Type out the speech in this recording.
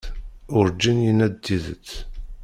Urǧin yenna-d tidet.